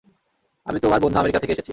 আমি তোমার বন্ধু আমেরিকা থেকে এসেছি।